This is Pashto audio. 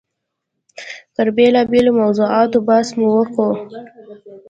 پر بېلابېلو موضوعاتو بحث مو کاوه.